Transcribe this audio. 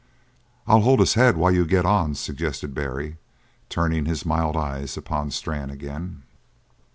"I'll hold his head while you get on," suggested Barry, turning his mild eyes upon Strann again.